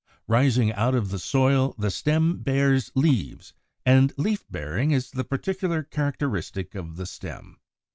Rising out of the soil, the stem bears leaves; and leaf bearing is the particular characteristic of the stem.